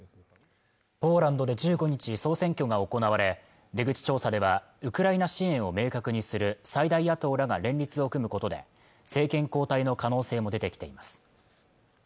ポーランドで１５日総選挙が行われ出口調査ではウクライナ支援を明確にする最大野党らが連立を組むことで政権交代の可能性も出てきています